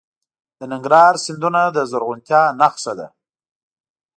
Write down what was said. د ننګرهار سیندونه د زرغونتیا نښه ده.